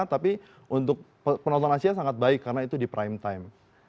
tapi untuk penonton asia sangat baik karena itu di prime time